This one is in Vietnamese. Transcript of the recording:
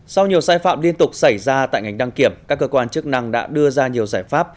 sau nhiều sai phạm liên tục xảy ra tại ngành đăng kiểm các cơ quan chức năng đã đưa ra nhiều giải pháp